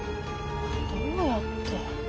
どうやって。